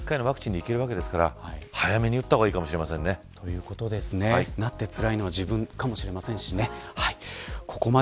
１回のワクチンでいけるわけですから早めに打った方がなってつらいのは自分かもしれませんしね。